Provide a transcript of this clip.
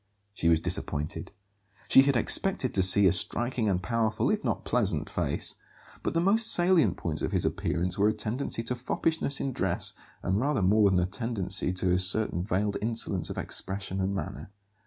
She was disappointed. She had expected to see a striking and powerful, if not pleasant face; but the most salient points of his appearance were a tendency to foppishness in dress and rather more than a tendency to a certain veiled insolence of expression and manner.